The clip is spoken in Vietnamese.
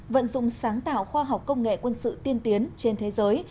vận dụng sáng tạo khoa học công nghệ quân sự tiên tiến trên thế giới